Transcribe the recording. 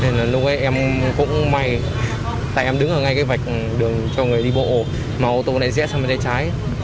nên lúc nãy em cũng may tại em đứng ở ngay cái vạch đường cho người đi bộ mà ô tô lại dẽ sang bên tay trái